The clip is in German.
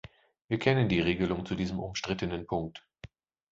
Wir kennen die Regelung zu diesem umstrittenen Punkt.